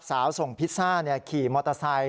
ส่งพิซซ่าขี่มอเตอร์ไซค์